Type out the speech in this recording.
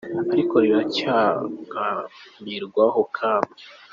ariko riracyaganirwaho kandi